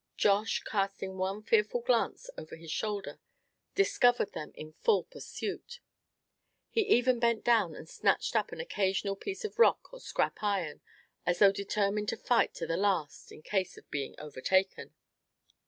Josh, casting one fearful glance over his shoulder, discovered them in full pursuit. He even bent down and snatched up an occasional piece of rock or scrap iron, as though determined to fight to the last in case of being overtaken.